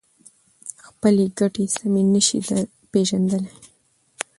خپلې ګټې سمې نشي پېژندلای.